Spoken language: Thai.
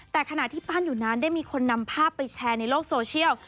แต่ขณะที่ปั้นอยู่นั้นได้มีคนนำภาพไปแชร์ในโลกโซเชียล